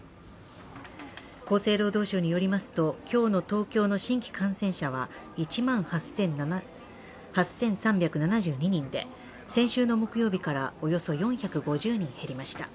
厚生労働省によりますと、今日の東京の新規感染者は１万８３７２人で先週の木曜日からおよそ４５０人減りました。